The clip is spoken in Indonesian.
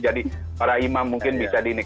jadi para imam mungkin bisa diinik